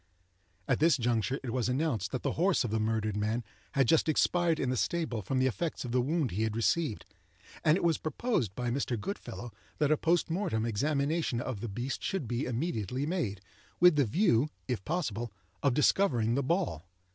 At this juncture, it was announced that the horse of the murdered man had just expired in the stable from the effects of the wound he had received, and it was proposed by Mr. Goodfellow that a post mortem examination of the beast should be immediately made, with the view, if possible, of discovering the ball.